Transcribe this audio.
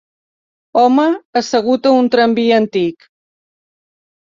Home assegut a un tramvia antic.